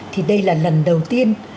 thì đây là lần đầu tiên